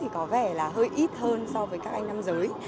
có vẻ hơi ít hơn so với các anh nam giới